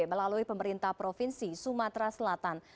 melalui pemerintah provinsi sumatera selatan